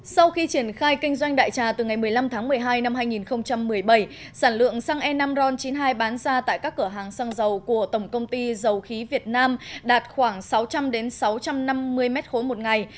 sau khi triển khai kinh doanh đại trà từ ngày một mươi năm tháng một mươi hai năm hai nghìn một mươi bảy sản lượng xăng e năm ron chín mươi hai bán ra tại các cửa hàng xăng dầu của tổng công ty dầu khí việt nam đạt khoảng sáu trăm linh sáu trăm năm mươi m ba một ngày